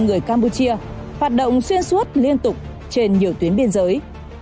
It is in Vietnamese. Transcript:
người campuchia hoạt động xuyên suốt liên tục trên nhiều tuyến biên giới